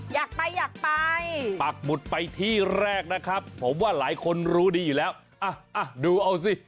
อยากไปอยากไปปักหมุดไปที่แรกนะครับผมว่าหลายคนรู้ดีอยู่แล้วอ่ะดูเอาสิ